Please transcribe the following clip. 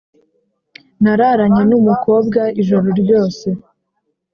Nararanye numukobwa ijoro ryose